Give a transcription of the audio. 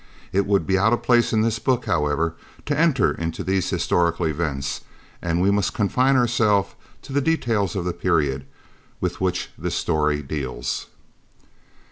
It would be out of place in this book, however, to enter into these historical events, and we must confine ourselves to the details of the period with which this story deals.